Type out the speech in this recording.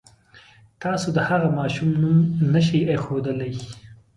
تاسو د هغه ماشوم نوم نه شئ اېښودلی.